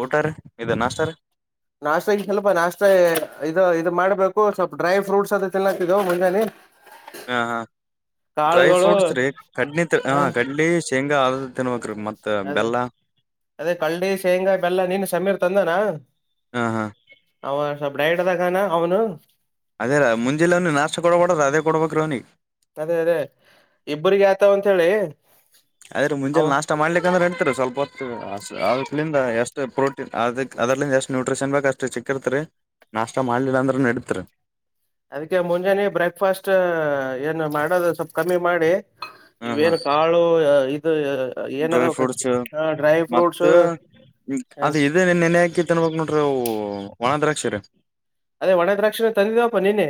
ಊಟರ್ ಇದು ನಾಷ್ಟತರ್ ಮ ಇದು ಇದು ಮಾಡ್ಬೇಕು ಸ್ವಲ್ಪ ಡ್ರೈ ಫ್ರೂಟ್ಸ್ ಅದ ತಿನ್ನಕಿದ್ದವು ಮುಂಜಾನೆ. ಹಾ ಹಾ ಡ್ರೈ ಕಾಳುಗಳು ಫ್ರೂಟ್ಸ್ ರೀ ಕಡ್ನಿ ಹ ಕಡ್ಲಿ ಶೇಂಗಾ ಆದ ತಿ. ಅದೇ ಅದೇ ಕಳ್ಳಡಿ ಶೇಂಗಾ ಇ ಬೆಲ್ಲ ನೀನ್ ಸಮೀರ್ ತಂದಾನ. ಹಾ ಹಾ. ಅವ ಸ್ವಲ್ ಡೈಡ್ದಾಗಾನ ಅವನು. ಅದೇ ರ ಮುಂಜೆಿಲ್ಲವನಿ ನಾಶ ಕೊಡಬೇಡ್ರ ಅದೇ ಕೊಡ್ಬೇಕ ರವನಿ. ಅದೇ ಅದೇ ಇಬ್ರಗ ಆತಾವ ಅಂತ ಹೇಳಿ. ಆದದ್ರ ಮುಂಜೆ ಅವ ನಾಷ್ಟ ಮಾಡ್ಲಿ ಅಂದ್ರೆ ಅಂತತಾರೆ ಸ್ವಲ್ಪ ಹೊ. ಅದಲಿಂದ ಎಷ್ಟು ಪ್ರೋಟೀನ್ ಅದ ಅದ್ರಂದ ಎಷ್ಟು ನ್ಯೂಟ್ರಿಷನ್ ಬೇಕಕ್ ಅಷ್ಟು ಚಿಕ್ಕಿರ್ತರಿ. ನಾಷ್ಟ ಮಾಡ್ಲಿಲ್ಲ ಅಂದ್ರ ನೆಡತ್ರಿ. ಅದಕ್ಕೆ ಮುಂಜಾನೆ ಬ್ರೇಕ್ಫಾಸ್ಟ್ ಏನು ಮಾಡೋದು ಸ್ವಲ್ಪ ಕಮ್ಮಿ ಮಾಡಿ. ಹ ಹಾ ಇವೇನು ಕಾಳು ಇದು. ಡ್ರೈ ಏನದಾವ ಫ್ರೂಟ್ಸ್ ಡ್ರೈ ಮತ್ತ ಫ್ರೂಟ್ಸ್ ಅದು ಇ ನೆನೆ ಹಾಕಿ ತನ್ಬಕ್ ನ. ಒಣ ದ್ರಾಕ್ಷಿ ರ. ಅದೇ ಒಣೆ ದ್ರಾಕ್ಷಿಣೆ ತಂದಿದ್ದವಪ್ಪಾ ನಿನ್ನೇ.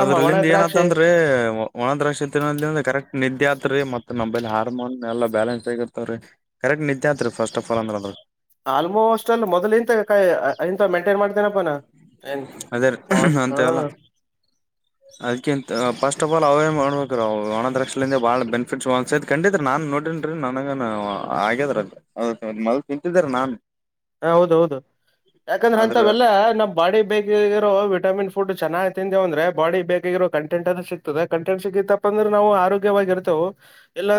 ಅದ್ರಲ್ಲಿಂದ ಏನತ್ತ ಅಂದ್ರೆ ಒಣ ದ್ರಾಕ್ಷ ಕರೆಕ್ಟ್ ನಿದ್ದೆ. ತ್ೀ ಮತ್ತ ನಮ್ಮೈ ಹಾರ್ಮೋನ್ ಎಲ್ಲ ಬ್ಯೆನ್ಸ್ ಆಗಿರ್ತವ ರೀ ಕರೆಕ್ಟ್ ನಿದ್ದೆ ಆತ್ರಿ ಫಸ್ಟ್ ಆಫ್ ಆಲ್ ಅಂದ್ರ. ಆಲ್ಮೋಸ್ಟ್ ಅಲ್ ಮೊದ್ಲು ಇಂಂತ ಕ ಇಂತ ಮೈಂಟೈನ್ ಮಾಡ್ತೇನಪ್ಪಾನ. ನ್ ಅದೇ ಹಾ. ಅ. ಫಸ್ಟ್ ಆಫ್ ಆಲ್ ಅವ್ರೇನ್ ಮಾಡ್ಬೇಕ ಅವ ಒಣದ್ರಕ್ಷಿಂದ ಬಾಳ ಬೆನಿಫಿಟ್ಸ್ಸ್ ಕಂಡಿದತ್ೀ ನಾನ್ ನೋಡಿನನ್ ರೀ. ನನಗ ಆಗ್ಯದ್ರ ಮೊದ ತಿಂತಿದ್ರ ನಾನನ್. ಹಾ ಹೌದ ಹೌದು. ಯಾಕಂದ್ರೆ ಆದ್ರ ಅಂತವೆೆಲ್ಲ ನಮ್ ಬಾಡಿ ಬೇಕಗ ಇರೋ ವಿಟಮಿನ್ ಫುಡ್ ಚೆನ್ನ. ಅಂದ್ರೆ ಬಾಡಿ ಬೇಕಾಗಿರೋ ಕಂಟೆಂಟ್ ಅದು ಸಿಗ್ತದೆ ಕಂಟೆಂಟ್ ಸಿಗಿತಪ್ಪಂದ್ರೆ ನಾವು ಆರೋಗ್ಯವಾಗಿರ್ತವೆ.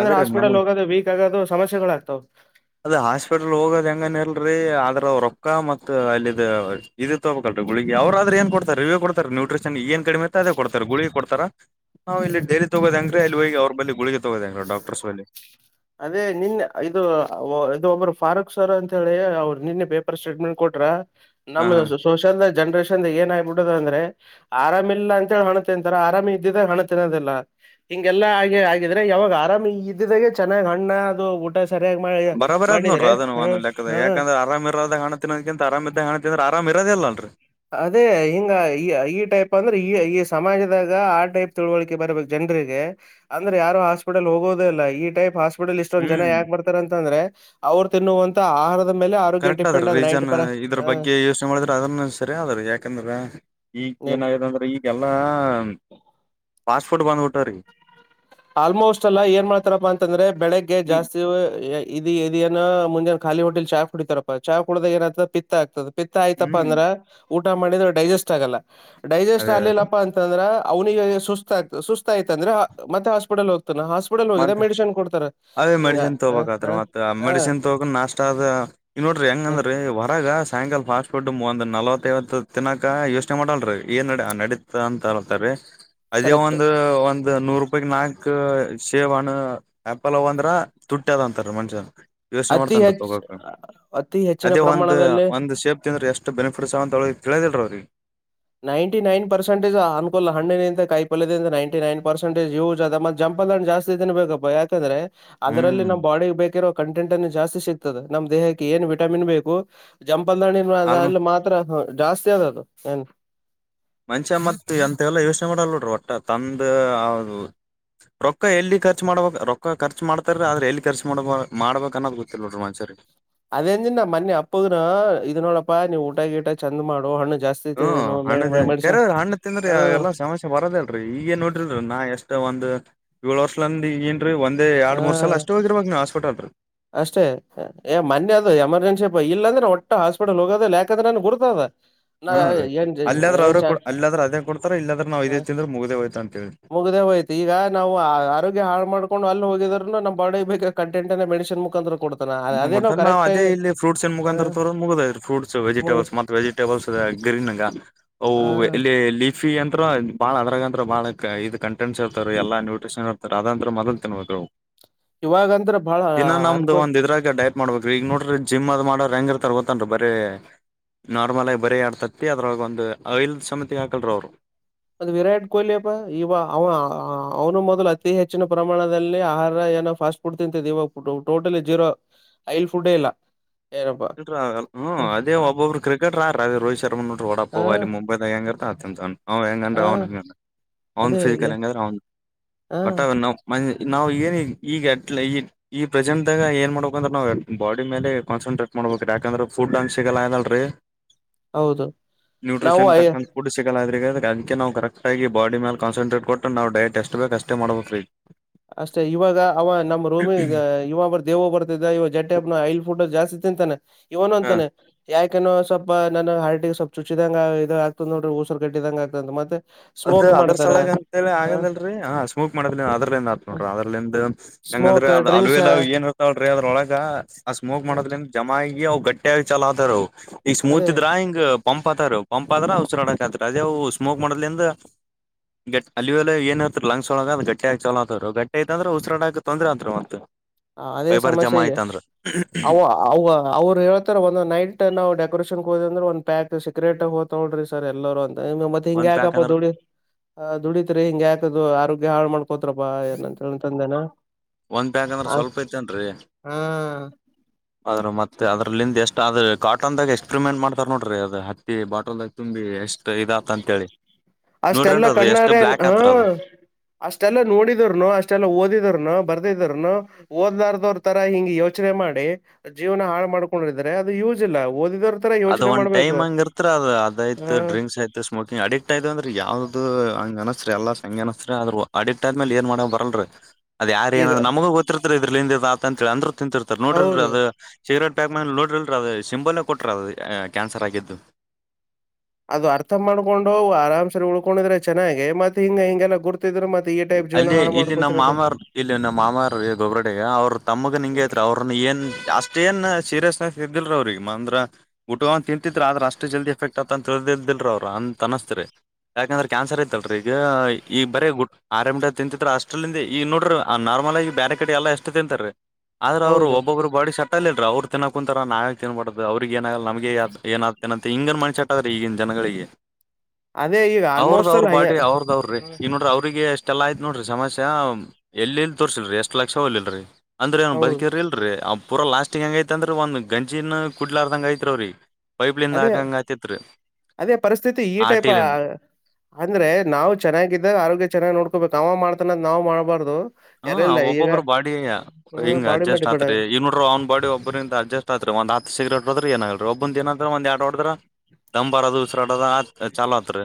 ಅದೇ ರೀ ಹಾಸ್ಪಿಟಲ್ ನಮಗ್ ಹೋಗೋದು ವೀಕ್ ಆಗೋದು ಸಮಸ್ಯಗಳಾಗಗ್ತ್. ಅದ ಹಾಸ್ಪಿಟಲ್ ಹೋಗೋದ್ ಹೆಂಗನ ಇಲ್ರಿ ಅದ್ರ ರೊಕ್ಕ ಮತ್ ಅಲ್ಲಿ ಇದದು ತೋಲ್. ುಗ್ಿಗೆ ಅವ್ರ್ರ ನ್ ಕೊಡ್ತಾರೆ ವ ಕೊಡ್ತಾರೆನ್ೂಟ್ರಿಷನ್ ಏನ್ ಕಡಿಮೆ ಅೇ ಕೊಡ್ತಾರೆ ಗುಳಿಗೆ ಕೊಡ್ತಾರ ನಾವು ಇಲ್ಲಿ ಡಲಿ ತಗೋದ ಅಂಗ್ರೀ ಇಲ್ಲಿ ಹೋಗಿ ಅವ್ರ ಬ ಗುಳಿಗೆ ತಗೋದ ಅಂಗ್ರ ಡಕ್ಟರ್ಸ್ ಬಲ್ಲಿ ಅದೇ ನಿನ್ ಇದು ಇದು ಒಬ್ರು ಫಾರೂಕ್ ಸರ್ ಅಂತ ಹೇಳಿ ಅವರು ನಿನ್ನೆ ಪೇಪರ್ ಸ್ಟೇಟ್ಮೆಂಟ್ ಕೊಟ್ರ ಹಾ ನಮ ಸೋಷಲ್ ಜನ್ರೇಷನ್ ಏನ ಆಗಿಬಿಡದ ಅಂದ್ರೆ ಆರಾಮ ಇಲ್ಲ ಅಂತ ಹೇಳಿ ಹಣ ತಿಂತಾರ ಆರಾಮ್ ಇದ್ದಿದ್ರೆ ಹಣ ತಿನ್ನೋದಿಲ್ಲ ಹಿಂಗೆಲ್ಲಾ ಆಗಿ ಆಗಿದ್ರೆ ಯಾವಾಗ ಆರಾಮಿ ಇದ್ದಿದಾಗೆ ಚೆನ್ನಾಗ್ ಹಣ್ಣ ಅದು ಊಟ ಸರಿಯಾಗಿ ಮಾಡಿ ಬರಾರ್ ಅದ ನೋಡ್ರ ಮಾಡಿದ್ರೆ ಅದನು ಒ ಹಾ ಲೆಕ್ಕದ ಹಾ ಯಾಕಂದ್ರೆ ಆರಾಮ ಇರದ ಹಣ ತಿನ್ನೋದಕ್ಕಿಂತ ಆರಾಮಾಗ ಹಣ ಅ್ರೆ ಆರಾಮ ಕರೇರಲ್ಲಾ ರೀ ಅದೇ ಹಿಂಗ ಈ ಈ ಟೈಪ್ ಅಂದ್ರೆ ಈ ಈ ಸಮಾಜದಾಗ ಆ ಟೈಪ್ ತಿಳುವಳಿಕೆ ಬರ್ಬೇಕು ಜನ ಅಂದ್ರೆ ಯಾರು ಹಾಸ್ಪಿಟಲ್ ಹೋಗೋದ ಇಲ್ಲ ಈ ಟೈಪ್ ಹಸ್ ಇಷ್ಟೊಂದ ಜನ ಹ್ಮ್ ಯಾಕೆ ಬರ್ತಾರೆ ಅಂತಂದ್ರೆ ಅವರು ತಿನ್ನುವಂತ ಆಹಾರ ಕರೆಕ್ಟ್ ಅದ್ರ ರೀಜನ್ ಇದ್ರ ಬಗ್ಗೆ ಯೋಚನೆ ಮಾಡಿದ್ರೆ ಅದನ್ನ ಸರಿ ಅದ್ರ ಯಾಕಂದ್ರ ಈಗ ಹ ಏನಾಗಿದೆ ಅಂದ್ರೆ ಈಗೆಲ್ಲಾ ಫಾಸ್ಟ್ ಫುಡ್ ಬಂದ್ ಬಿಟ್ಟವ್ ರೀ ಆಲ್ಮೋಸ್ಟ್ ಅಲ್ಲ ಏನ್ ಮಾಡ್ತಾರಪ್ಪಾ ಅಂತಂದ್ರೆ ಬೆಳಗ್ಗೆ ಜಾಸ್ತಿ ಇದ ಇದನ ಮುಂಜಾನ ಖಾಲಿ ಹೊಟಲ್ ಚಾ ಕುಡಿತತಾರಪ್ಪ ಚಾ ಕುಡದಾಗ ಏನ ಆತದ ಪಿತ್ತ ಆಗ್ತದೆ ಪಿತ್ತಾ ಆಯ್ತಪ್ಪ ಹ್ಮ್ ಅಂದ್ರ ಊಟ ಮಾಡಿದ್ರೆ ಡೈಜೆಸ್ಟ್ ಆಗಲ್ಲ ಡೈಜೆಸ್ಟ್ ಅದೇ ಅದೇ ಆಗ್ಲಿಲ್ಲಪ್ಪಾ ಅಂತಂದ್ರ ಅವ್ನಿಗೆ ಸುಸ್ತತ ಸುಸ್ತಯ್ತ ಅಂದ್ರ ಮತ್ತೆ ಹಾಸ್ಪಿಟಲ್ ಹೋಗ್ತಾನ ಹಸ್ಪಟಲ್ ಹೋಗಿದೆ ಮೆಡಶಿನ್ ಕೊಡ್ತಾರೆ ಅದೇ ಮೆಡಿಸಿನ್ ತಗೋಬೇಕತ್ರಿ ಮತ್ತತ್ ಹ ಮೆಡಿಸಿನ್ ತಗ ನಾಷ್ಟ ಆದ ಇ ನೋಡ್ರಿ ಹೆಂಗಂದ್ರೀ ಹೊರ ಗ ಸಾಯಂಕಾಲ ಫಾಸ್ಟ್ ಫುಡ್ ಒಂದ ನಲವತ್ತೈವತ್ತು ತಿನಕ ಯೋಚನೆ ಮಾಡಲ್ರಿ ಏನ್ ನಡೀತ ಅಂತ ತಾರೆ ಅದೇ ಕರೆಕ್ಟ್ ಒಂದು ಒಂದು ನೂರು ರೂಪಾಯ ನಾಲ್ಕ್ು ಶೇವ್ ಅಣ ಆ್ಯಪಲ್ ಅವ ಅಂದ್ರ ತುಟ್ಟಿದ ಅಂತಾರ ಮನ್ಷ್ಯನ್ ಯೋಚನೆ ಅತಿ ಮಾಡ್ತನ್ ಹೆಚ್ಚ ತಗೋಕ್ ಅತಿ ಹೆಚ್ಚಿನ ಅದೇ ಒಂದ್ ಪ್ರಮಾಣದಲ್ಲಿ ಒಂದ ಸೇಫ ತ ಅಂದ್ರ ಎಷ್ಟು ಬೆನಿಫಿಟ್ಸ್ ಅಂತ ತಿಳಿದಿಲ್ರ ಅವ್ರಿಗೆ ನೈಂಟಿ ನೈನ್ ಪರ್ಸೆಂಟೇಜ್ ಅನ್ಕೋಲ್ ಹಣ್ಣಿನಿಂದ ಕೈ ಪಲ್ದಿಂದ ನೈಂಟಿ ನೈನ್ ಪರ್ಸೆಟೇಜ್ ಇದ ಜಂ ಸಂಪ ಜಾಸ್ತಿ ಇದ ಬೇಕಪ್ಪ ಯಾಕಂದ್ರೆ ಅದರಲ್ಲಿ ಹ್ಮ್ ನಮ್ಮ್ ಬಾಡಿಿಗೆ ಬೇಕಿರೋ ಕಂಟೆಂಟ್ನು ಜಾಸ್ತಿ ಸಿಗ್ತದ ನಮ್ ದೇಹಕ್ಕೆ ಏನ್ ವಿಟಾಮಿನ್ ಬೇಕು ಜಂಪ್ ಬಂದಣ ಆಲ್ಮ ಅಲ್ಲಿ ಮಾತ್ರ ಜಾಸ್ತಿ ಅದು ಏನ್ ಮನುಷ್ಯ ಮತ್ ಎಂತೆಲ್ಲ ಯೋಚನೆ ಮಾಡಲ್ ನೋಡ್ರಿ ಒಟ್ಟ ತಂದ ರೊಕ್ಕ ಎಲ್ಲಿ ಖರ್ಚು ಮಾಡ್ಬೇಕ ರೊಕ್ಕ ಖರ್ಚು ಮಾಡ್ತಾರ ಆದ್ರೆ ಎಲ್ಲಿ ಖರ್ಚು ಮಾಡ ಮಾಡ್ಬೇಕ ಅನ್ನೋದು ಗೊತ್ತಿಲ್ಲ ನೋಡ್ರಿ ರಮಾಚಾರಿಗ ಅದೇ ಅಂದಿನಿ ನಾ ಮೊನ್ನಿ ಅಪ್ಪಗನು ಇದ್ ನೋಡಪ್ಪಾ ನೀವು ಊಟಾ ಗಿಟ ಚಂದ ಮಾಡು ಹಣ್ಣ ಹ್ಮ್ ಹಣ್ಣ ಜಾಸ್ತಿ ಕರೆ ಹಣ್ಣ ಹ ತಿಂದ್ರ ಎಲ್ಲಾ ಸಮಸ್ಯೆ ಬರೋದಲ್ರರಿ ಈಗೇ ನೋಡ್ರಿ ನಾ ಎಷ್ಟ ಒಂದ ಏಳು ವರ್ಷ್ಲಾಂಡ ಏನ್ರಿ ಒಂದ ಹ ಎರ ಮೂರ್ ಸಲ್ ಅಷ್ಟೇ ಹೋಗಿರಬೇಕ್ರ ನಾ ಹಾಸ್ಪಿಟಲ್ ಅಷ್ಟೇ ಏ ಮೊನ್ನೆ ಅದು ಎಮರ್ಜೆನ್ಸಿ ಇಲ್ಲ ಅಂದ್ರೆ ಒಟ್ಟ ಹಾಸ್ಪಿಟಲ್ ಹೋಗೋದಿಲ್ಲ ಯಾಕಂದ್ರೆ ನನ್ಗೆ ಗುರ್ತದ ನಾ ಹಾ ರೀ ಏನ್ ಅಲ್ಲಾದ್ರ ಏನ್ ಅವ್ರರು ಚಾ ಕೊ ಅಲ್ಲಾದ್ರೆ ಅದೇ ಕೊಡ್ತಾರ ಇಲ್ಲಾದ್ರೆ ನಾವ್ ಇದೇ ತಿಂದ್ರೆ ಮುಗ್ದೇ ಹೋಯ್ತ ಅಂತ ಹೇಳಿ ಮುಗಿದೇ ಹೋಯ್ತು ಈಗ ನಾವು ಆರೋಗ್ಯ ಹಾಳು ಮಾಡ್ಕೊಂಡು ಅಲ್ಲಿ ಹೋಗಿದ್ರ ನಮ್ಮ ಬಾಡಿ ಬೇಕ ಕಂಟೆಟ್ ಅ ಮೆಡಿಸಿನ್ ಮುಖಾಂತರ ಕೊಡ್ [inaudible] ಡ್ತಾರ ನಾವ ಅದೇ ಇಲ್ಲಿ ಫ್ರೂಟ್ಸನ್ ಹ ಮುಖಾಂತರ ತೋರದ ಮುಗದ ಹೋಯ್ತು ಫ್ರೂಟ್ಸ್ ವೆಜಟಬಲ್ ಮತ್ತ ವಜಿಟೇಬಲ್ಸ್ ಇದಗಿ ಗರಿನ್ಂಗ ಅವು ಹ ಎಲಿ ಇಫಿ ಅಂತ್ರ ಬಾಳ ಅದ್ರಾಗಂತ್ರ ಬಹಳ ಇದು ಕಂಟೆಂಟ್ಸ್ ಇರತಾವ್ರಿ ಎಲ್ಲಾ ನ್ಯೂಟ್ರಿಷನ್ ಇರ್ತಾವ್ರಿ ಅದ ಅಂತ ಮೊದಲ್ ತಿನ್ಬೇಕವು ಇವಾಗಂದ್ರ ಬಾಳ ಅನ್ಕೋ ಒಂದ್ ಇದ್ರಾಗ ಡಯಟ್ ಮಾಡ್ಬೇಕ್ರೀ ಈಗ ನೋಡ್ರಿ ಜಿಮ್ ಅದು ಮಾಡವ್ರ ಹೆಂಗ ಇರತಾರ ಗೊತ್ತೇನ್ರಿ ಬರೀ ನಾರ್ಮಲ್ ಆಗಿ ಬರೆ ಯಾಡ್ ತತ್ತಿ ಅದ್ರಾಗ ಒಂದು ಆಯಿಲ್ ಸಮತಿಗೆ ಹಾಕಲ್ರ ಅವ್ರು. ಅದು ವಿರಾಟ್ ಕೊಹ್ಲಿ ಅಪ್ಪಾ ಇವ ಅವನು ಮೊದಲು ಅತಿ ಹೆಚ್ಚಿನ ಪ್ರಮಾಣದಲ್ಲಿ ಆಹಾರ ಫಾಸ್ಟ್ ಫುಡ್ ತಿಂತಿದ್ದ ಇವಾಗ ಟೋಟಲ್ಲಿ ಜೀರೋ ಐಲ್ ಫುಡ್ಡೇ ಇಲ್ಲ. ಏನಪ್ಪಾ ಹ್ಮ ಹ ಅದೇ ಒಬ್ಬೊಬ್ರು ಕ್ರಿಕೆಟರಾ ಅದರ ರೋಹಿತ್ [inaudible] ಹ ವಾಡಾಪವ್ ಅಲ್ಲಿ ಮುಂಬೈದಾಗ ಹೆಂಗ ಇರತಾವ ಹೆಂಗ ತಿಂತಾನ ಅವ ಹೆಂಗ ಹ, ಅಂದ್ರ ಅವ ಅವನ್ ಅದೇ ಫಿಸಿಕಲ್ ಹೆಂಗಾದ್ರ ಅವ ಹ [unintelligible] ನಾವು ಏನ್ ಈಗ ಎ ಈ ಈ ಪ್ರೆಸೆಂಟ್ ದಾಗ ಏನ್ ಮಾಡ್ಬೇಕಂದ್ರ ನಾವು ಬಾಡಿ ಮೇಲೆ ಕಾನ್ಸಂಟ್ರೇಟ್ ಮಾಡ್ಬೇಕ್ರೀ ಯಾಕಂದ್ರ ಫುಡ್ ಅಂಶ ಸಿಗಲ್ಲ ಅದಲ್ರರಿ ಹೌದು ನಾವು ನ್ಯೂಟ್ರಿಷನ್ ಅಯ ತಕ್ಕಂತ ಫುಡ್ ಸಿಗಲ್ಲರಿ. ಏಕೆಂದ್ರೆ ಅದಕ್ಕೆ ನಾವ ಕರೆಕ್ಟಾಗಿ ಬಾಡಿ ಮೇಲ ಕನ್ಸನ್ಟ್ರೇಟ್ ಕೊಟ್ಟ ನಾವ ಡಯಟ್ ಎಸ್ಟ ಬೇಕಕ್ಷ್ಟೇ ಮಾಡ್ಬೇಕ್ರೀ. ಅಷ್ಟೆ ಇವಾಗ ಅವ ನಮ್ಮ ರೂಮಿ ಇವಾಗ ಬರ ದೇವು ಬರ್ತಿದ್ದ ಇವಾಗ ಜಟ್ಟ ಹಬ್ನ ಐಲ್ ಫುಡ್ ಜಾಸ್ತಿ ತಿಂತಾನೆ. ಇವನು ಹ ಅಂತಾನೆ ಯಾ ಯಾಕ ಸ್ವಲ್ಪ ನನ್ ಹಾರ್ಟಿಗೆ ಸ್ವಲ್ಪ ಚುಚಿದಂಗ ಇದು ಆಗ್ತತದ ನೋಡ್ರಿ ಉಸರ್ ಕಟ್ಟಿದಂಗ ಆಗ್ತದ ಮತ್ತೆ - ಅದ್ ಅದ್ರ ಸಲಗ ಅಂತ ಹೇಳಿ ಆಗಂದಲ್ರರಿ ಹ ಸ್ಮೂಕ್ ಮಾಡೋದ್ ಆದರದಿಂದ ಆಗ್ತದ. ನೋಡ್ರಿ ಅದ್ರಲಿಂದ ಹೆಂಗಂದ್ರೆ ಸ್ಮೋಕ್ ಅ ಡ್ರಿಂಕ್ಸ್ ಅಲುವಿಲ್ ಏನ್ ಇರ್ತವ ನೋಡ್ರಿ ಅದ್ರೊಳಗ ಆ ಸ್ಮೋಕ್ ಮಾಡೋದ್ಲಿಂದ ಜಮ ಆಗಿ ಅವು ಗಟ್ಟಿಯಾಗಿ ಚಾಲೋ ಆತಾವ್ರಿ ಅವು ಈ ಅದೇ ಸ್ಮೂತ ಇದ್ರ ಹಿಂಗ್ ಪಂಪ್ ಆತಾವ್ರಿ ಅವು ಪಂಪ್ ಆದ್ರ ಉಸರಾಡಕ್ ಆತ್ರಿ ಅದೇ ಅವೂ ಸ್ಮೋಕ್ ಮಾಡದಲಿಂದ ಗಟ್ ಅಲ್ಲಿವೆಲ್ಲ ಏನ್ ಹೇಳ್ತ್ರ ಲಂಗ್ಸ ಒಳಗ ಅದು ಗಟ್ಟಿಯಾಗಿ ಚಾಲೋತರಿ ಅವು ಗಟ್ಟಿ ಆಯ್ತಂದ್ರ ಉಸಿರಾಡಕ್ ತೊಂದ್ರ ಆತದ್ರಿ ಮತ್. ಹ ಅದೇ ಫೈಬರ್ ಸಮಸ್ಯೆ ಜಮಾ ಆಯ್ತಂದ್ರ ಅವ ಅವ ಅವ್ರು ಹೇಳ್ತಾರ ಒಂದ ನೈಟ್ ನಾವು ಡೆಕೋರೇಷನ್ ಕ ಹೋದೇವ್ ಅಂದ್ರ ಒಂದ ಪ್ಯಾಕ್ ಸೀಗರೆಟ್ ಹೊತವ್ ನೋಡ್ರಿ ಸರ್ ಎಲ್ಲೊರು ಅಂತ್. ಮತ್ತ ಒಂದ್ ಪ್ಯಾಕ್ ಹಿಂಗ್ಯಾಕ್ಕಪ್ಪ ಅಂದ್ರ ದುಡ ದುಡಿತ್ರಿ ಹಿಂಗ್ಯಾಕ್ ಅದು ಆರೋಗ್ಯ ಹಾಳ ಮಾಡ್ಕೋ ತ್ರಪಾ ಏನಂತ ಹೇಳ್ ತಂದೇನಾ. ಒಂದ ಪ್ಯಾಕ್ ಅಂದ್ರ ಸ್ವಲ್ಪ ಐತೆೇನ್ ರೀ ಹ ಅದ್ರ ಮತ್ತ ಅದ್ರಲ್ಲಿಂದ ಎಷ್ಟ್ ಆದ್ ಕಾಟನ್ದಾಗ ಎಕ್ಸ್ಪೆರಿಮೆಂಟ್ ಮಾಡ್ತಾರ ನೋಡ್ರಿ ಅದು ಹತ್ತಿ ಬಾಟಲ್ದಾಗ ತುಂಬಿ ಎಷ್ಟ್ ಅದ ಇದ ಅಂತ ಹೇಳಿ. ಅಷ್ಟೆಲ್ಲಾ ಕಣ್ಣಾರ ಹ್ಮ. ಅದು ಅಷ್ಟೆಲ್ಲಾ ನೋಡಿದ್ರೂನು ಅಷ್ಟೆಲ್ಲಾ ಓದಿದ್ರೂನು ಬರ ಓದಿದ್ರುನು ಓದ್ಲಾರ್ದವ್ರ್ ತರ ಹಿಂಗ ಯೋಚನೆ ಮಾಡಿ ಜೀವನ ಹಾಳ ಮಾಡ್ಕೊಂಡಿದ್ರೆ ಅದು ಯೂಸ್ ಇಲ್ಲ ಒದಿದೋರ್ ಅದ ಒಂದ್ ಟೈಮ್ಂಗ ಇರ್ತ್ರ ಅದ ಅದು ಹ ಅದ್ತತ್ ಡ್ರಿಂಕ್ಸ್ ಆಯ್ತ್ ಸ್ಮೋಕಿಂಗ್ ಅಡಿಕ್ಟ್ ಆಯ್ತ ಅಂದ್ರೆ ಯಾವ್ದು ಹಂಗ ಅನಸತ್ರಿ ಎಲ್ಲಾ ಹಂಗ ಅನಿಸ್ತ್ರಿ ಆದ್ರ ಅಡಿಕ್ಟ್ ಆದ್ಮೇಲೆ ಏನ್ ಮಾಡಕ್ ಬರಲ್ [inaudible] ಅದ ಯಾರ ಏನ್ ಈಗ ನಮಗ ಗೊತ್ತಿರ್ತ ಇದ್ರಲಿಂದ್ ಇದ ಆತದ ಅಂತ ಹೇಳ ಅಂದ್ರು ತಿಂತಿರ್ತಾರ ನೋಡ್ರರಿಲ್ರಿ ಹೌದು ಅದು ಸಿಗರೇಟ್ ಪ್ಯಾಕ್ ಮೇಲೆ ನೋಡಿರಲ್ರಿ ಅದು ಸಿಂಬಲ್ಲೇ ಕೊಟ್ಟ್ರ ಅದು ಕ್ಯಾನ್ಸರ್ ಆಗಿದ್ದು ಅದು ಅರ್ಥ ಮಾಡ್ಕೊಂಡ್ ಹೋಗವು ಆರಾಮಸ ಸರಿ ಉಳ್ಕೊಂಡಿದ್ರೆ ಚೆನ್ನಾಗೆ ಮತ್ತತ್ ಹಿಂಗ ಹಿಂಗೆಲ್ಲಾ ಗುತ ಅಲ್ಲಿ ಇಲ್ಲಿ ನಮ್ಮ ಮಾಮ ಇಲ್ಲಿ ನಮ್ಮ ಮಾಮಾರ್ ಗೊಬ್ರಡ ಅವರು ತಮ್ಮಗ ನಿಂಗೆ ಐತ್ ಅವ್ರನ್ನ ಏನ್ ಜಾ ಅಷ್ಟೇಏನ್ ಸೀರಿಯಸ್ನೆಸ್ ಇರ್ದಲ್ರ ಅವ್ರಿಗೆ ಅಂದ್ರ ಊಟ ತಿಂತಿದ್ರ ಆದ್ರ ಅಷ್ಟ ಜಲ್ದಿ ಎಫೆಕ್ಟ್ ಆತ ಅಂತಿದ ಅವ ಅ ಅನ್ನಸ್ತರಿ ಯಾಕಂದ್ರ ಕ್ಯಾನ್ಸರ್ ಐತ್ಲ್ರಿ ಈಗ ಈಗ ಬರ ಗು ಆರಾಮ್ ಗಿಟ ತಿಂತತ್ ರ ಅಷ್ಟಲ್ಲಿಂದ ಈಗ ನೋಡ್ರರಿ ಆ ನಾರ್ಮಲ್ ಆಾಗಿ ಬ್ಯಾರಕಡ್ಡಿ ಎಲ್ಲ ಎು ತಿಂತ ರೀ ಆದ್ರೆ ಅವರು ಹೌದು ಒಬ್ಬೊಬ್ರು ಬಾಡಿ ಸಟ್ ಅಲ್ರಿ ಅವ್ರು ತಿನ್ನಕ ಕುಂತಾರ ನಾವೇ ತಿನ್ಬಾರ್ದದು ಅವ್ರಿಗೆ ಈಗಏನಾಗಲ್ಲ ನಮಗೆ ಏನ ಆ್ತನ ಅಂತೆ ಹಿಂಗನ್ ಮನ್ಷಸ ಆಟತದ ಈಗಿನ ಜನಗಳಿಗೆ ಅದೇ ಈಗ ಅವ್ರದ ಆಲ್ಮೋಸ್ಟ್ ಅವ್ರ ಅಲ್ ಹಂಗೆ. ಬಾಡಿ ಅವ್ರದ ಅವ್ರೀ ಹ್ಮ್, ಇ ನೋಡ್ರಿ ಅವ್ರಿಗೆಷ್ಟ ಇ ಎಲ್ಲಾ ಆಯ್ತತ್ ನೋಡ್ರಿ ಸಮಸ್ಯ ಎಲ್ಲಿ ಎಲ್ಲಿ ತೋರ್ಸಿಲ್ರಿ ಎಷ್ಟ್ ಲಕ್ಷ ಹೋಗ್ಲಲ್ರರಿ ಅಂದ್ರೆ ಅವ್ ಹೌದು ಬಕರಿ ಇಲ್ರಿ ಅವ್ ಪೂರ ಲಾಸ್ಟಿಂಗ್ ಹೆಂಗ ಐತ್ತ ಅ್ರರಿ ಒಂದ್ ಗಂಜಿನ ಕುಡ್ಲಾರದಂಗ ಐತ್ವ್ರೀ ಪೈಪ್ಲಿಂದ ಅದೇ ಹಾಕಂಗ ಹತ್ತತಿತ್ರಿ ಅದೇ ಪರಿಸ್ಥಿತಿ ಈ ಟೈಪ್ ಅಂದ್ರೆ ನಾವು ಚೆನ್ನಾಗಿದ್ದಾಗ ಆರೋಗ್ಯ ಚೆನ್ನಾಗ್ ನೋಡ್ ಹೋಗಬೇಕು ಅವ ಮಾಡ್ತಾನ ನಾ್ ಮಾಡ್ಬಾರು ಹ ಒಬ್ಬೊಬ್ಬ್ರ ಬಾಡಿ ಹ್ಮ ಹಿಂಗ್ ಬಾಡಿ ಮೇಲೆ ಅಡ್ಜಸ್ಟ್ ಡಿಪೆಂಡ್ ಆತ್ರಿ ಆಗ ಇ ನೋಡ್ರ ಅವ್ನ ಬಾಡಿ ಒಬ್ಬ್ರಿಂದ ಅಡ್ಜಸ್ಟ್ ಆದತ್ರು ಒಂದು ಹತ್ ಸಿಗ್ರೇಟ್ ಬದ್ರ ಏ ಒಬ್ಬಂದ ಏನತ್ರ ಒಂದ್ ಆಟ ಆಡದ್ರ ದಮರದು ಉಸರಾಡದ ಚಾ ಆತ್ರಿ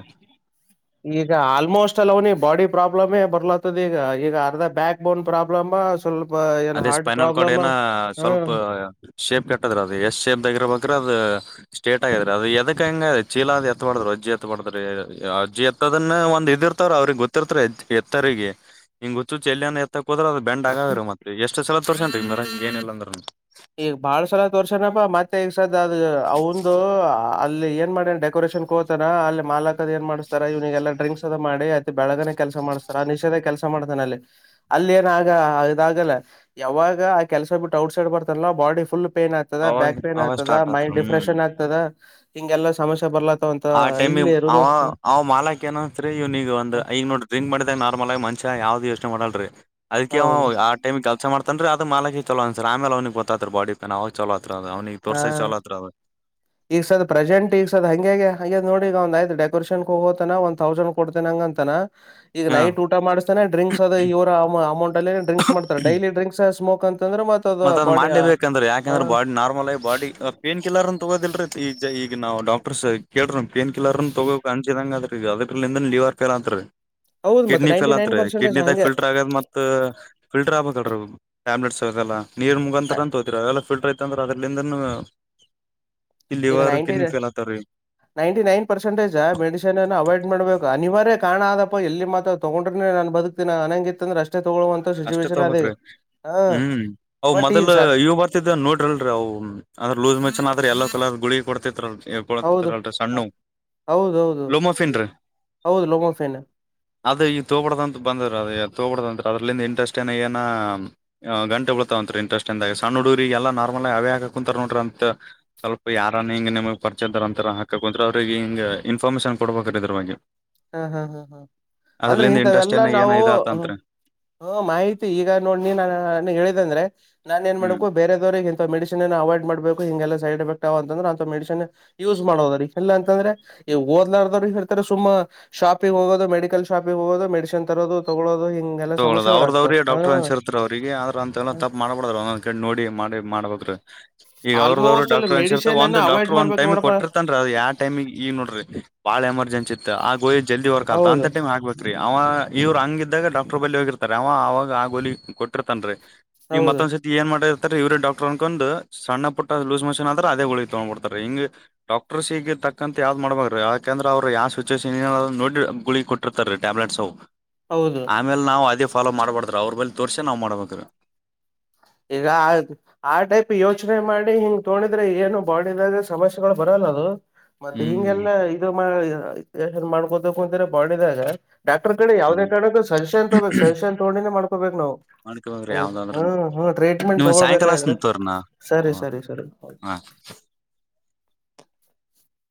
ಈಗ ಆಲ್ಮೋಸ್ಟ್ ಅಲ್ಲ ಅವನಿ ಬಾಡಿ ಪ್ರಾಬ್ಲಮೇ ಬರ್ಲತದ ಈಗ ಈಗ ಅರ್ಧ ಬ್ಯಾಕ್ ಬೋನ್ ಪ್ರಾಬ್ಲಮ ಸ್ವಲ್ಪ ಏನ್ ಅದೇ ಹಾರ್ಟ್ ಸ್ಪೈನಲ್ ಕಾರ್ಡ್ ಪ್ರಾಬ್ಲಮ ಏನ ಹ್ಮ ಸ್ವಲ್ಪ ಶೇಪ್ ಕೆಟ್ಟದ್ರ ಅದು ಎಷ್ಟ್ ಶೇಪ್ರ್ಬೇಕ್ರೆ ಅದ ಸ್ಟೇಟ್ ಆಗಾದ್ರೀ ಅದು ಎದಕ್ ಹೆಂಗ ಚೀಲ ಅದ್ ಎತ್ತ ಮಾಡ್ರು ಅಜ್ಜಿ ಎತ್ ಮಾಡದ್ರಿ ಅಜ್ಜಿ ಎತ್ತದನ್ನ ಒಂದ ಇದ ರ್ ಅವ್ರಿಗೆ ಗೊತ್ತಿರ್ತ ಎತ್ತರಿಗೆ ಹಂಗ ಗುಚ್ಚು ಚಲ್ಲಿ ಎತ್ತ ಕೂದ್ರ ಅದು ಬೆಂಡ್ ಆಗಾವವೀ ಮತ್ತೆ ಎಷ್ಟುಲ ತೋರ್ಸಂತ್ರ ಏನಿಲ್ಲ ಅಂದ್ರ ಈಗ ಬಾಳ್ ಸಲ ತೋರ್ಸನಪ್ಪ ಮತ್ತೆ ಈಗ ಸದ ಅದು ಅವಂದು ಅಲ್ಲಿ ಏನ್ ಮಾಡ ಡೆಕೋರೇಷನ್ ಕೋತಾರ ಅಲ್ಲಿ ಮಾಲಕ್ದ್ ಏನ್ ಮಾಡ ಇವಿಗೆಲ್ಲ ಡ್ರಿಕ್ಸ್ ಅ ಮಾಡಿ ಅ ಬೆಳಗ ಕೆಲಸ ಮಾಡ್ತಾರೆ ನಿಷೇಧ ಕೆಲಸ ಮಾಡ್ತಾನೆ ಅಲ್ಲಿ ಅಲ್ಲಿ ಏನ ಆ ಇದಾಗಲ್ಲ ಯಾವಾಗ ಆ ಕೆಲಸ ಬಿಟ್ಟು ಔಟ್ ಸೈಡ್ ಬರ್ತ ಲ್ಲ ಬಾಡಿ ಫುಲ್ ಪೈನ್ ಆಗ್ತದ ಅವಾಗ ಬ್ಯಾಕ್ ಪೇನ್ ಅವಾಗ ಆತ ಸ್ಟಾರ್ಟ್ ಮೈಂಡ್ ಆತ್ರಿ ಹ್ಮ್ ಡಿಫ್ರೆಷನ್ ಆಗ್ತದೆ ಹಿಂಗೆ ಎಲ್ಲಾ ಸಮಸ್ಯೆ ಬರ್ಲ ಆ ಟೈಮಿ ಅವ ಅವ ಮಾಲಾಕ್ ಏನನ್ತ ಇವ್ ನೀಗ ಒಂದ್ ಈಗ ನೋಡ ಕ್ ಮಾಡಿದಾಗ ನಾರ್ಮಲ್ ಆಗಿ ಮಂಚ ಸಾ ಯಾದದು ಯೋನೆ ಮಾಡಲ್ ರಿ ಅದಕ್ಕೆ ಹೌದು ಆಟೈಮಿಗೆ ಕೆಲ್ಸ ಮಾಡತನ್ ಅದ ಮಾಲಕಿ ಚಲೋ ಅನ್ಸರ್ ಆಮೇಲೆ ಅವನಿಗೆ ಗೊತ್ತತತ್ ಬಡಿ ಪನ್ ಅವ ಚಲೋ ಆತ್ರಿ ಅದು ಅವ್ನಿಗೆ ಹಾ ತೋರ್ಸಕ್ ಚಲೋ ಆತ್ರಿ ಅದು ಈಗಸದ್ ಪ್ರೆಸೆಂಟ್ ಈಗಸದ್ ಹಂಗಗೆಗೆ ಹಾಗ ನೋ ಈಗ ಒಂದ್ ಡೆಕೋರೇನ್ ಹೋಗೋತಾನ ಒನ್ ತೌಸಂಡ್ ಕೊಡ್ತೇ ಹಂಗ ಅಂತನ ಈಗ ಹಾ ನೈಟ್ ಊಟ ಮಾಡ್ತಾನೆ ಕ್ಸ್ ಅದು ಇವರ ಅಮೌಂಟ್ ಅಲ್ಲಿ ಡ್ರಿಕ್ ಮಾಡತಾರೆ ಡೈಲಿ ಡ್ರಿಕ್ ಸ್ಮೋಕ್ ಅಂತಂದ್ರೆ ಮತ್ತ ಅದು ಮತ್ತತ್ದ್ ಬಾಡಿ ಹ ಮಾಡ್ಬೇಕಂದ್ರೆ ಯಾಕೆಂದ್ರೆ ಬಾಡಿ ನಾರ್ಮಲ್ ಆಗ ಬಾಡಿ ಪೇನ್ ಕಿಲ್ಲರ್ ಅ ತಗೋದಿಲ್ರಿೀ ಈಗ ಈಗ ನಾವು ಡಾಕ್ಟರ್ ಕೇಳ್ರೀ ಪೇನ್ ಕಿಲ್ಲಲರ್ನ್ ತಗೋಕ್ ಅಂಚ ಹಂಗ ಅ್ರ ಅದ್ರಲಿಂದ ಲವ ಆರ್ತಲ್ಲ ಅಂತತ್ರಿ ಹೌದು ಮತ್ತೆ ಕಿಡ್ನಿ ನೈಂಟಿ ಫೇಲ್ ನೈನ್ ಹತ್ರಿ ಪರ್ಸೆಂಟೇಜ್ ಕಿಡ್ನಿದಾಗ ಹಂಗೆ ಫಿಲ್ಟರ್ ಆಗದ ಮತ್ತ ಫಲ್ಟರ್ ಆಗ್ಬೇಕ ಟ್ಯಾಬ್ಲೆಟ್ಸ್ಲ್ಲ ನೀರ್ ಮುಗಂತ ತೋೆ ಫಲ್ಟರ್ ಇಂದ್ರ ಅದ್ರಲಿಂದನ್ ಈಗ ಲಿವರ್ ನೈಂಟಿ ಕಿಡ್ನಿ ಫೇಲ್ ಆತಾರೀ ನೈಂಟಿ ನೈನ್ ಪರ್ಸೆಂಟೇಜ ಮೆಡಿಸನ್ನ್ನು ಅವಾಯ್ಡ್ ಮಾಡ್ಬೇಕು ಅನಿವಾರ್ಯ ಕಾಣ ಆದಪ್ಪ ಎಲ್ಲಿ ಮಾತ್ರ ತಗೊಂಡ್ರೆ ನನ್ ಬದುಕ್ತೀಿ ಅನಂಗಿತ್ತಂದ್ರೆಷ್ಟೆ ಅಷ್ಟೆ ತಗಬಕ್ ರಿ ಹ ಹ್ಮ್ ಅವವು ಬಟ್ ಈಗ ಮೊದಲ್ ಸರ್ ಇವ ಬರ್ತಿದ ನೋಡ್ರಲ್ರರಿ ಅವು ಅಂದ್ರ ಲೂಸ್ ಮೆಚನ್ ಆದ್ರ ಎಲ್ಲ ಗುಳಿಗೆ ಕೊಡ್ತರ ಪಳಕ್ಕೆ ಹೌದು ತರಳರ ಸಣ್ಣು ಹೌದೌದು ಲೋಮಫನ್ ಹೌದು ಲೋಮೋಫೇನ್ ಅದೇ ಈಗ ತೋಬಡ್ದಂತ ಬಂದ್ರ ಅದ ತೋಬ್ದಂತ ಅ ಂದ ಇಂಟ್ರೆಸ್ ಏ ಏ ಗಂಟ ಉಳ್ತಾವ ಅಂತ ಇಂಟ್ರೆಸ್ಟ್ಂದ ಸಣ್ಣ ಹುಗರಿ ಎಲ್ಲ ನಾರ್ಮಲ್ ಆ ಅವೇ ಹಾಕ ನೋಡ್ರ ಅಂತ ಸ್ವಲ್ಪ ಯಾರ ಹಿಂಗ ನಿಮಗ್ ಪರಿಚಯಾರ ಅಂತ ಹಾಕಕ್ಂತ್ರ ಅವ್ರಿಗೆ ಹಿಂಗ ಇನ್ಫಾರ್ಮೇಶನ್ ಕೊಡ್ಬೇಕ ಇದ್ರವಾಗಿಗೆ ಹಾ ಹಾ ಹಾ ಹಾ ಅಂದ್ರೆ ಇಂಟ್ರೆಸ್ಟ್ ಇಥವೆಲ್ಲಾ ಏನ ಏನ ನಾವು ಹ ಇದಾತಂತ್ರಿ ಹಾ ಮಾಹಿತಿ ಈಗ ನೋಡ್ಿ ನಾ ನ ಹೇಳಿದೆ ಅಂದ್ರೆ ನಾನ್ ನ್ ಹ್ಮ್ ಮಾಡಬೇಕ ಬೇರವರಿಗೆ ಇಂತ ಮೆಡಿಸಿನ್ ಅವಾಯ್ಡ್ ಮಾಡಬೇಕು ಹಿಂಗೆಲ್ಲ ಸೈಡ್ ಎಫೆಕ್ಟ್ ಅಂದ್ರೆ ಅಂತ ಮೆಡಿಸಿನ್ ಯೂಸ್ ಮಾಡೋದಲ್ಲ ಅಂದ್ರೆ ಈ ದಲಾರರು ಹೇಳ್ತಾರೆ ಸುಮಾ ಶಾಪಿಂಗ ಹೋದು ಮೆಡಿಕಲ್ ಶಾಪಿಂಗ ಹೋಗೋದು ಮೆಡಿಸಿನ್ ತರೋದು ತಗೊಳ್ಳೋದು ಹಿಂಗೆಲ್ಲಾ ತಗೋದ ಸಮಸ್ಯೆಗಳಾಗ್ತವೆ ಅವ್ರದವ್ರಿಗೆ ಹಾ ಡಕ್ಟರ್ ಅನ್ಸಿರ್ತ ಅವ್ರರಿಗೆ ಆದ್ರ ಅಂತೆ ಎಲ್ಲ ತಪ್ಪ ಮಾಡಬಾರಡ್ರ ಒಂದೊಂದ್ ಕಡೆ ನೋಡಿ ಮಾಡಬೇಕು [inaudible] ಈಗ ಅವ್ರದವ್ರ ಆಲ್ಮೋಸ್ಟ್ ಅಲ್ಲಿ ಡಾಕ್ಟರ್ ಮೆಡಿಸಿನ್ ಒಂದು ಅನ್ನು ಡಕ್ಟರ್ ಅವಾಯ್ಡ್ ಮಾಡ್ಬೇಕಕ್ ಒಂದ್ಟೈಮಿ ನೋಡಪ್ಪಾ ಕೊಟ್ಟರ್ತನ್ರಿ ಅದ ಯಾವ ಟೈಮಿ ಈಗ ನೋಡ್ರಿ ಬಾಳ ಎಮರ್ಜ ಚಿತ್ ಆಗೋಯಿ ಜಲ್ದಿ ವರ್ಕ್ ಆತ ಅಂತ ಹೌದು ಟೈಮ್ ಆಗ್ಬೇಕ ರೀ ಅವ ಇವ್ರು ಹಂಗಿದ್ದಾಗ ಡಾ ಬಿ ಹೋಗಿರ್ತಾರೆ ಅವ ಆಾಗ ಆ ಗೋಲಿ ಕೊಟ್ಟಿರ್ತನ್ ಈಗ ಹೌದು ಮತ್ತೊಂದ್ಸರ್ತಿ ಏನ್ ಮಾಡ ಇವ್ರ ಡಾಕ್ಟರ್ ಅನ್ಕೊಂಡ್ ಸಣ್ಣ ಪುಟ್ಟ ಲೂಸ್ ಮಷಿನ್ ಆದ್ರೆ ಅದೇ ಹಳಿಗೆ ತಗೊಂಡ್ಬಡ್ತಾರೆ ಹಿಂಗ ಡಾಕ್ಟರ್ ಹ ಈಗ ತಕ್ಕಂತ ಯಾವ್ದ್ ಮಾಡ್ಬಾರ್ರೀ ಯಾಕಂದ್ರ ಅವ್ರರು ಯಾವ ಸಿಚುುವೇಷನ್ ಏ ನೋಡಿ ಗುಳಿ ಕೊಟ್ಟಿರ್ತಾರ ರೀ ಟ್ಯಾಬ್ಲೆಟ್ಸ್ ಹೌದು ಆಮೇಲೆ ನಾವು ಅದೇ ಫಾಲೋ ಮಾಡ್ಬಾರಡ್ದ್ರರು ಅವ್ರ ಬೇಲೆ ತೋರ್ಸೆ ನಾವು ಮಾಡ್ಬೇಕ್ರ ಈಗ ಆ ಟೈಪ್ ಯೋಚನೆ ಮಾಡಿ ಹಿಂಗ್ ತೋೊಂಡಿದ್ರೆ ಏನು ಬಾಡಿದಾಗ ಸಮಸ್ಯೆಗಳು ಬರಲ್ಲ ದು ಮತ್ತೆ ಹ್ಮ್ ಹಿಂಗೆಲ್ಲ ಇದು ಮಾಡ್ಕೊತು ಅಂತರ ಬಾಡಿದಾಗ ಡಾಕ್ಟರ್ ಕಡೆ ಯಾವ್ದದ ಹ್ಮ್ ಕಾರ ಕಕ್ಕ ಸಜಷನ್ ತಗಬೇಕು ಸಜಷನ್ ತಗೊಂಡಿನೇ ಮಾಡ್ಕಬೇಕ ನಾವು ಹ ಮಾಡ್ಕಬೇಕ್ರಿ ಯಾವ್ದಾದ್ರನು ಹ್ಮ್ ಹ್ಮ ಟ್ರೀಟ್ಮೆಂಟ್ ನೀವು ಸಾಯಂಕಾಲ ತೊಳ್ಬೇಕ್ರ ಹಚ್ತಿನ್ ತೋರಿ ನಾ ಸರಿ ಸರಿ ಸರಿ ಹಾ